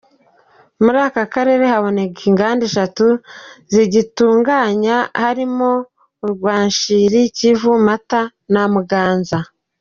Muri ako karere haboneka inganda eshatu zigitunganya, harimo urwa Nshiri- Kivu, Mata na Muganza.